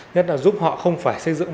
nhất là giúp họ không phải xây dựng